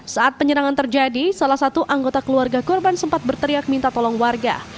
saat penyerangan terjadi salah satu anggota keluarga korban sempat berteriak minta tolong warga